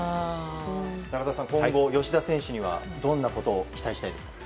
中澤さん、今後、吉田選手にはどんなことを期待したいですか？